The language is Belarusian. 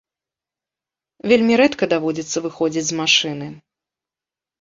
Вельмі рэдка даводзіцца выходзіць з машыны.